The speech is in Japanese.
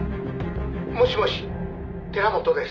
「もしもし寺本です」